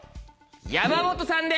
山本さんで。